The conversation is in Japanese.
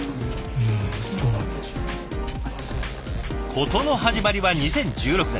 事の始まりは２０１６年。